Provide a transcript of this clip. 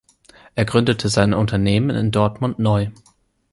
Er gründete sein Unternehmen in Dortmund neu.